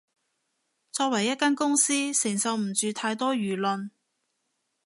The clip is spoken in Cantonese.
作為一間公司，承受唔住太多輿論